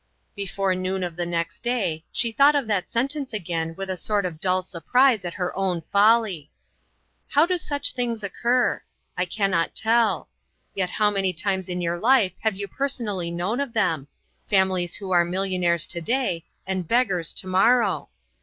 Before noon of the next day she thought of that sentence again with a sort of dull surprise at her own folly. How do such things occur? I can not tell. Yet how many times in your life have you personally known of them families who are millionnaires to day, and beggars to mor row?